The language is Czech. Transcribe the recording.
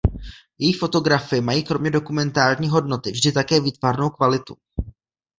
Její fotografie mají kromě dokumentární hodnoty vždy také výtvarnou kvalitu.